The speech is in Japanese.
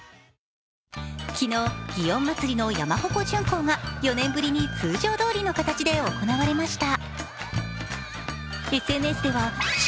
昨日、祇園祭の山鉾巡行が４年ぶりに通常どおりの形で行われました。